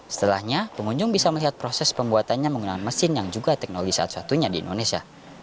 setelahnya pengunjung bisa melihat proses pembuatannya menggunakan mesin yang juga teknologi satu satunya di indonesia